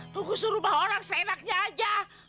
kuku suruh bawa orang seenaknya aja